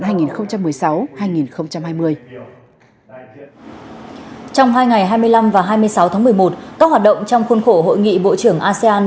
trong hai ngày hai mươi năm và hai mươi sáu tháng một mươi một các hoạt động trong khuôn khổ hội nghị bộ trưởng asean